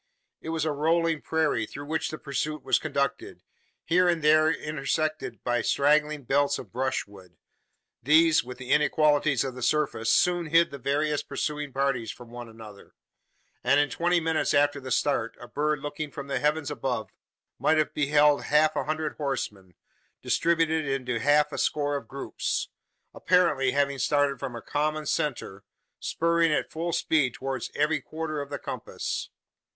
It was a rolling prairie through which the pursuit was conducted, here and there intersected by straggling belts of brushwood. These, with the inequalities of the surface, soon hid the various pursuing parties from one another; and in twenty minutes after the start, a bird looking from the heavens above, might have beheld half a hundred horsemen, distributed into half a score of groups apparently having started from a common centre spurring at full speed towards every quarter of the compass!